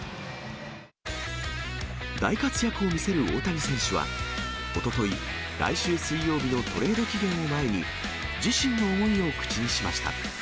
大活躍を見せる大谷選手は、おととい、来週水曜日のトレード期限を前に、自身の思いを口にしました。